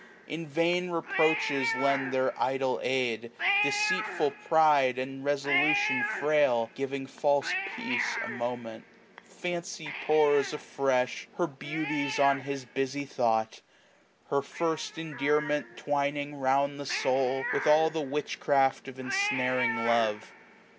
In vain reproaches lend their idle aid^ Deceitful pride, and resolution frail, 1095 Giving false peace a moment. Fancy pours. Afresh, her beauties on his busy thought. Her first endearments twining lound the soul. With all the witchcraft of ensnaring love.